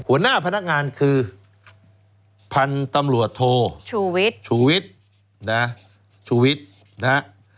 หัวหน้าพนักงานคือพันธุ์ตำลวดโทชูวิตชูวิตนะชูวิตนะ